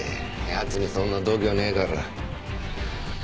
奴にそんな度胸ねえから。